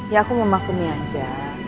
ya aku mau maklumnya aja